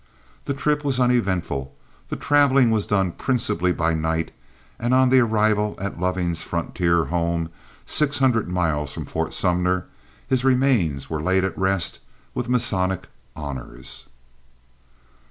The trip was uneventful, the traveling was done principally by night, and on the arrival at Loving's frontier home, six hundred miles from Fort Sumner, his remains were laid at rest with Masonic honors.